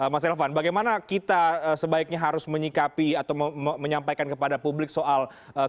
mas elvan bagaimana kita sebaiknya harus menyikapi atau menyampaikan kepada publik soal